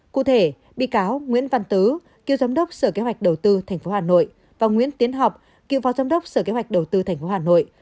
cụ thể bị cáo nguyễn văn tứ cựu giám đốc sở kế hoạch đầu tư tp hà nội và nguyễn tiến học cựu phó giám đốc sở kế hoạch đầu tư tp hà nội